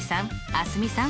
蒼澄さん。